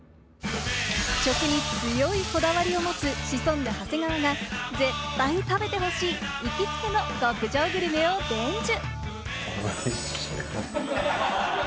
食に強いこだわりを持つシソンヌ・長谷川が、絶対に食べてほしい、行きつけの極上グルメを伝授。